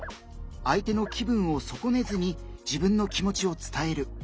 相手の気分を損ねずに自分の気持ちを伝える。